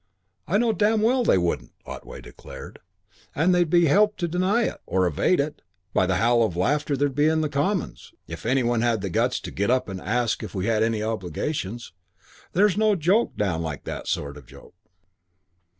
"I know damn well they wouldn't," Otway declared. "And they'd be helped to deny it, or to evade it, by the howl of laughter there'd be in the Commons if any one had the guts to get up and ask if we had any obligations. There's no joke goes down like that sort of joke.